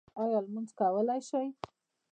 ایا لمونځ کولی شئ؟